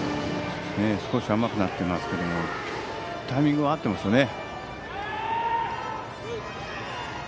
少し甘くなってますけどもタイミングは合ってますね。